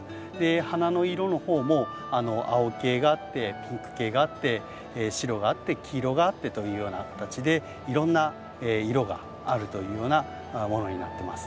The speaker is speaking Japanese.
花の色の方も青系があってピンク系があって白があって黄色があってというような形でいろんな色があるというようなものになってます。